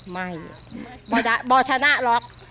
ไม่ไม่ชนะหรอก